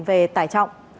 về tải trọng